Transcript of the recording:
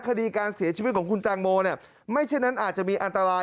คดีการเสียชีวิตของคุณแตงโมเนี่ยไม่เช่นนั้นอาจจะมีอันตราย